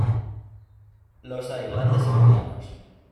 Los hay grandes y medianos.